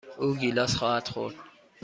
او گیلاس خواهد خورد.